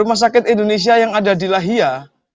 rumah sakit indonesia yang ada di lahia